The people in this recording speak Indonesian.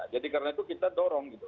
jadi karena itu kita dorong gitu